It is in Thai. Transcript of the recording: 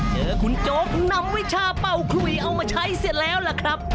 เจอคุณโจ๊กนำวิชาเป่าขลุยเอามาใช้เสร็จแล้วล่ะครับ